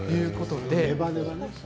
ネバネバだ。